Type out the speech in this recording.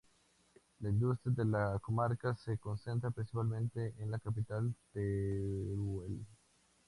La industria de la comarca se concentra principalmente en la capital, Teruel.